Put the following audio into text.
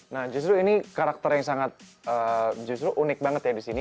nah justru ini karakter yang sangat justru unik banget ya di sini